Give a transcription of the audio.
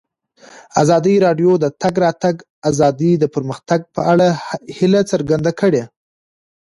ازادي راډیو د د تګ راتګ ازادي د پرمختګ په اړه هیله څرګنده کړې.